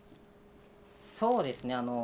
そうですね。